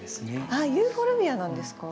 あっユーフォルビアなんですか？